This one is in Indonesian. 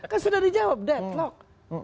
kan sudah dijawab deadlock